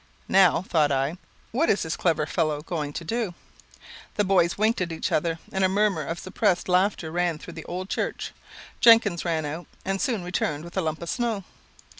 "Now," thought I, "what is this clever fellow going to do?" The boys winked at each other, and a murmur of suppressed laughter ran through the old church. Jenkins ran out, and soon returned with a lump of snow.